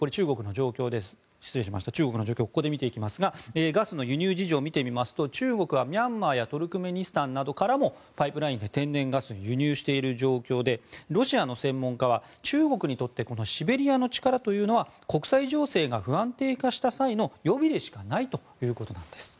中国の状況をここで見ていきますがガスの輸入事情を見てみますと中国はミャンマーやトルクメニスタンなどからもパイプラインで天然ガスを輸入している状況でロシアの専門家は中国にとってシベリアの力は国際情勢が不安定化した際の予備でしかないということなんです。